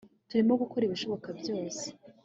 turimo gukora ibishoboka byose